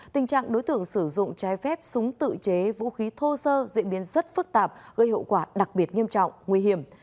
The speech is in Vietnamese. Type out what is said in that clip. tình trạng đối tượng sử dụng trái phép súng tự chế vũ khí thô sơ diễn biến rất phức tạp gây hậu quả đặc biệt nghiêm trọng nguy hiểm